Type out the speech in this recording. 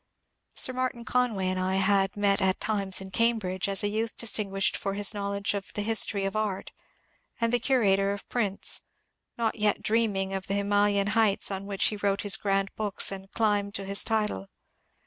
Sir Martin Conway I had met at times in Cambridge, as a youth distinguished for his knowledge of the history of art, and the curator of prints, not yet dreaming of the Himalayan heights on which he wrote his grand books and climbed to his title.